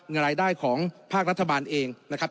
รายได้ของภาครัฐบาลเองนะครับ